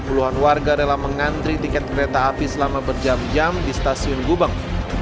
puluhan warga rela mengantri tiket kereta api selama berjam jam di stasiun gubeng